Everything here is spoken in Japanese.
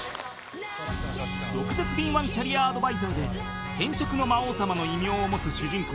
［毒舌敏腕キャリアアドバイザーで転職の魔王様の異名を持つ主人公